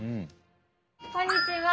こんにちは。